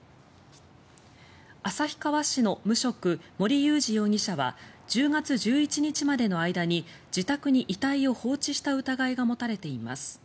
旭川市の無職・森裕志容疑者は１０月１１日までの間に自宅に遺体を放置した疑いが持たれています。